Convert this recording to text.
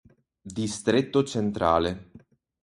Distretto Centrale